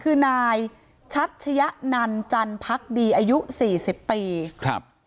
คือนายชัชยะนันจันพักดีอายุสี่สิบปีครับ